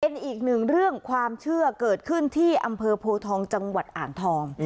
อีกหนึ่งเรื่องความเชื่อเกิดขึ้นที่อำเภอโพทองจังหวัดอ่างทอง